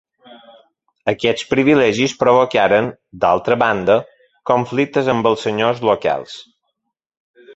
Aquests privilegis provocaven, d'altra banda, conflictes amb els senyors locals.